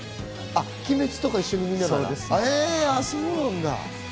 『鬼滅』とか一緒に見ながら？